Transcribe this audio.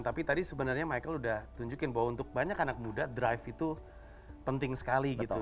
tapi tadi sebenarnya michael udah tunjukin bahwa untuk banyak anak muda drive itu penting sekali gitu